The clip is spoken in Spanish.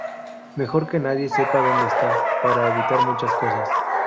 Mejor que nadie sepa dónde está, para evitar muchas cosas.